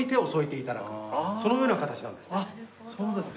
そのような形なんですね。